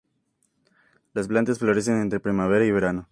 Las plantas florecen entre primavera y verano.